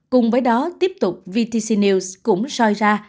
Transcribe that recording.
cùng với đó tiếp tục vtc news cũng soi ra